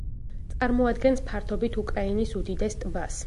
წარმოადგენს ფართობით უკრაინის უდიდეს ტბას.